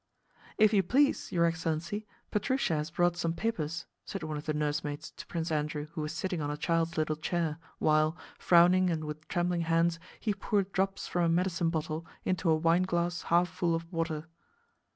"If you please, your excellency, Pétrusha has brought some papers," said one of the nursemaids to Prince Andrew who was sitting on a child's little chair while, frowning and with trembling hands, he poured drops from a medicine bottle into a wineglass half full of water.